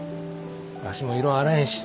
わしも異論あらへんし。